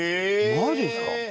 マジっすか。